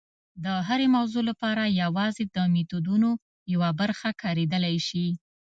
د هرې موضوع لپاره یوازې د میتودونو یوه برخه کارېدلی شي.